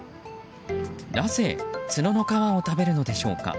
なぜ角の皮を食べるのでしょうか。